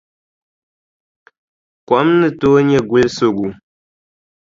Kom ni tooi nyɛ gulisigu.